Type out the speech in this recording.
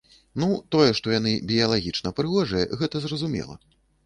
Ну, тое, што яны біялагічна прыгожыя, гэта зразумела.